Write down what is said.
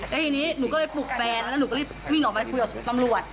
เมื่อนี้หนูก็ไปปลูกแฟนหรือหนูกันหลีกวิ่งออกมาคุยกับตำรวจ